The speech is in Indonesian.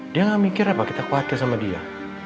dia gak mikir apa kita khawatir sama dia